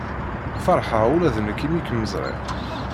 Feṛḥeɣ ula d nekk imi kem-ẓṛiɣ.